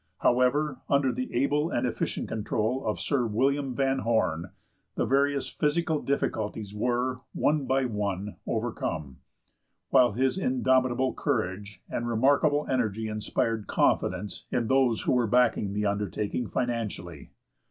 However, under the able and efficient control of Sir William Van Horne, the various physical difficulties were, one by one, overcome, while his indomitable courage and remarkable energy inspired confidence in those who were backing the undertaking financially.